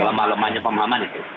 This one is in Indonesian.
lama lamanya pemahaman itu